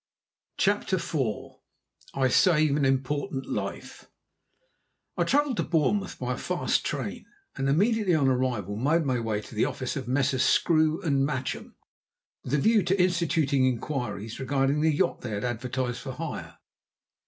CHAPTER IV I SAVE AN IMPORTANT LIFE I travelled to Bournemouth by a fast train, and immediately on arrival made my way to the office of Messrs. Screw & Matchem, with a view to instituting inquiries regarding the yacht they had advertised for hire.